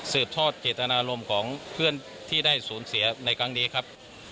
ทอดเจตนารมณ์ของเพื่อนที่ได้สูญเสียในครั้งนี้ครับ